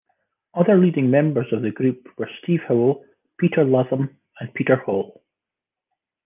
Other leading members of the group were Steve Howell, Peter Latham and Peter Hall.